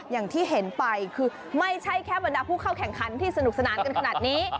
อย่างที่เห็นไปคือไม่ใช่แค่บรรดาผู้เข้าแข่งขันที่สนุกสนานกันขนาดนี้